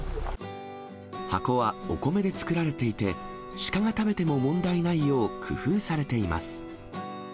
箱はお米で作られていて、鹿が食べても問題ないよう、工夫されています。